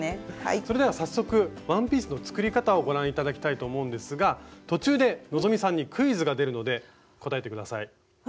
それでは早速ワンピースの作り方をご覧頂きたいと思うんですが途中で希さんにクイズが出るので答えて下さい。